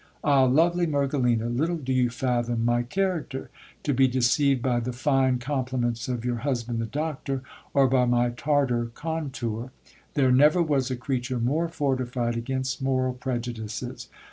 Ah ! lovely Mergelina, little do you fathom my character, to be deceived by the fine com pliments of your husband the Doctor, or by my Tartar contour ! There never was a creature more fortified against moral prejudices